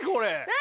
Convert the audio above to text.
何？